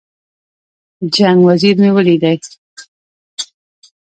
جنګ وزیر مې ولیدی.